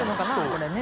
これね。